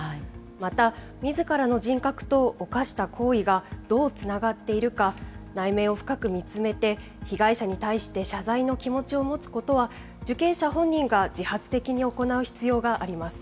また、みずからの人格と犯した行為がどうつながっているか、内面を深く見つめて、被害者に対して謝罪の気持ちを持つことは、受刑者本人が自発的に行う必要があります。